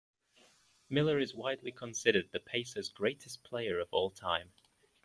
Miller is widely considered the Pacers' greatest player of all time.